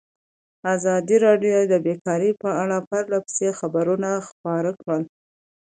ازادي راډیو د بیکاري په اړه پرله پسې خبرونه خپاره کړي.